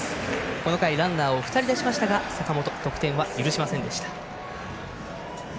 この回ランナーを２人出しましたが坂本、得点は許しませんでした。